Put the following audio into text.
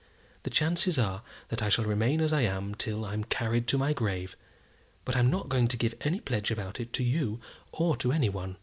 The chances are that I shall remain as I am till I'm carried to my grave; but I'm not going to give any pledge about it to you or to any one."